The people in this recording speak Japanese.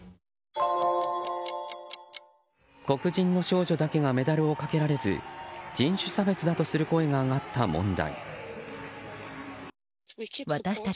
黒人の少女だけがメダルをかけられず人種差別だとする声が上がった問題。